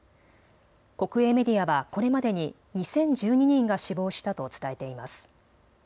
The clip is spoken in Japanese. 国営メディアはこれまでに２０１２人が死亡したと伝えています。